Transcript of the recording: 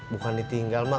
bukan ditinggal mak